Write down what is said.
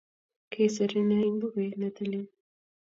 Kisiir ine eng bukuit ne tilil